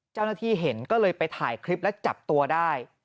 เจ้าหน้าที่เห็นก็เลยไปถ่ายคลิปแล้วจับตัวได้